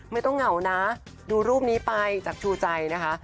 เหงานะดูรูปนี้ไปจากชูใจนะคะ